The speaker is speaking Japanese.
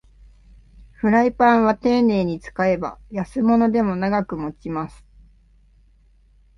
フライパンはていねいに使えば安物でも長く持ちます